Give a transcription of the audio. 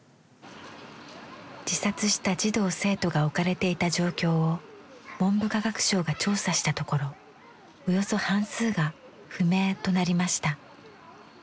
自殺した児童生徒が置かれていた状況を文部科学省が調査したところおよそ半数が「不明」となりました。